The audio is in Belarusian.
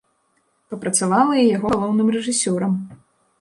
Папрацавала і яго галоўным рэжысёрам.